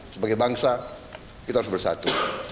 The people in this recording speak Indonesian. sebagai bangsa kita harus bersatu